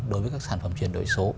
đối với các sản phẩm chuyển đổi số